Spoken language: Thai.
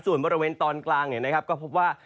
ส่วนบริเวณตอนกลางเนี่ยนะครับก็พบว่า